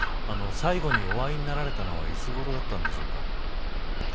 最後にお会いになられたのはいつごろだったんでしょうか。